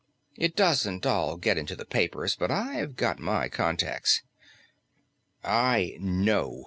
It doesn't all get into the papers, but I've got my contacts. I know.